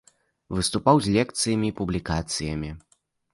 Выступаў з лекцыямі і публікацыямі.